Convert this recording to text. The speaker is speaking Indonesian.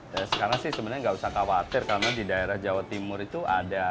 dari sekarang sih sebenarnya nggak usah khawatir karena di daerah jawa timur itu ada